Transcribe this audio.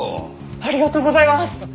ありがとうございます！